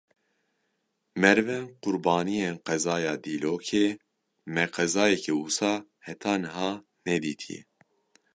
Merivên qurbaniyên qezaya Dîlokê; me qezayeke wisa heta niha nedîtiye.